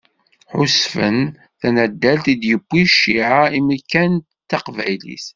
Ḥusfen tanaddalt i d-yewwin cciɛa, imi kan d taqbaylit.